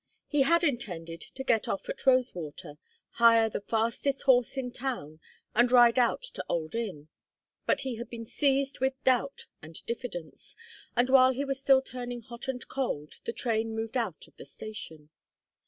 He had intended to get off at Rosewater, hire the fastest horse in town, and ride out to Old Inn; but he had been seized with doubt and diffidence, and while he was still turning hot and cold the train moved out of the station.